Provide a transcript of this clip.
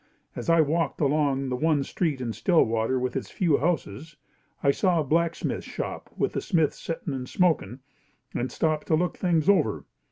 As I walked along the one street in Stillwater with its few houses, I saw a blacksmith shop with the smith settin' and smokin' and stopped to look things over.